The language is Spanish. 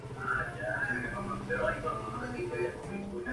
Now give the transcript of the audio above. Die Linke volvió a perder votantes.